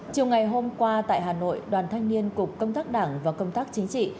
chiều ngày hôm qua tại hà nội đoàn thanh niên cục công tác đảng và công tác chính trị